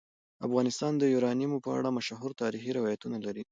افغانستان د یورانیم په اړه مشهور تاریخی روایتونه لري.